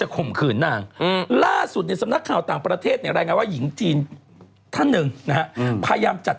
ถ้าเธอคิดไม่ออกก็ไปเดินเล่นฟุตบาท